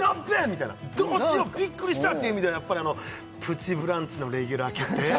みたいなどうしようビックリしたっていう意味では「プチブランチ」のレギュラー決定？